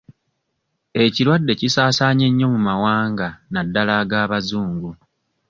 Ekirwadde kisaasaanye nnyo mu mawanga naddala ag'abazungu.